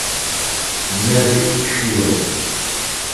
Mary Scheer